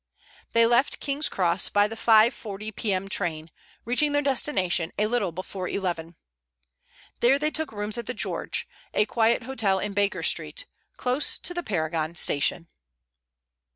They left King's Cross by the 5.40 p.m. train, reaching their destination a little before eleven. There they took rooms at the George, a quiet hotel in Baker Street, close to the Paragon Station.